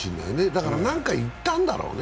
だから、何か言ったんだうろね。